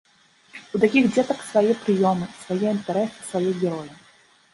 У такіх дзетак свае прыёмы, свае інтарэсы, свае героі.